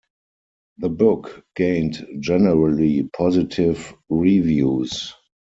The book gained generally positive reviews.